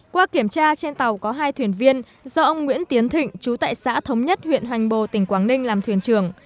qua kiểm tra trên tàu có hai thuyền viên do ông nguyễn tiến thịnh chú tại xã thống nhất huyện hoành bồ tỉnh quảng ninh làm thuyền trưởng